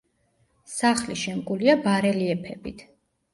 სახლი შემკულია ბარელიეფებით.